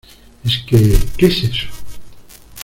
¿ Es qué? ¿ qué es eso ?